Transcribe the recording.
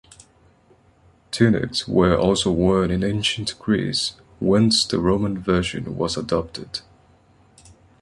Tunics were also worn in ancient Greece, whence the Roman version was adopted.